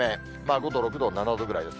５度、６度、７度ぐらいです。